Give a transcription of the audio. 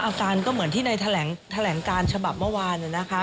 อาการก็เหมือนที่ในแถลงการฉบับเมื่อวานนะคะ